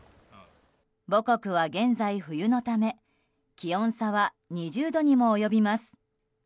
母国は現在、冬のため気温差は２０度にも及びます。